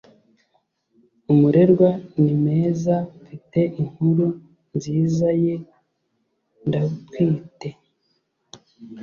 umurerwa ni meza mfite inkuru nziza yee ndatwite